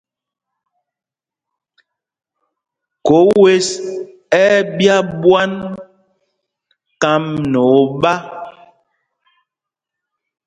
Khǒ wes ɛ́ ɛ́ ɓyá ɓwán kám nɛ oɓá.